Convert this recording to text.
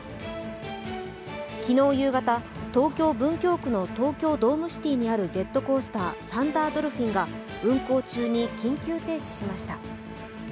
昨日夕方、東京・文京区の東京ドームシティにあるジェットコースター、サンダードルフィンが運行中に緊急停止しました。